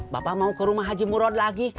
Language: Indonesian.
bapak mau ke rumah haji murad lagi